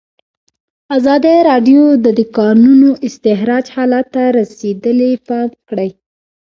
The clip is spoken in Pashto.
ازادي راډیو د د کانونو استخراج حالت ته رسېدلي پام کړی.